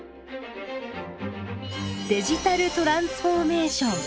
デジタルトランスフォーメーション。